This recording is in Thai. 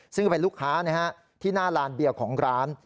ซึ่งเป็นลูกค้าที่หน้าลานเบียร์ของร้าน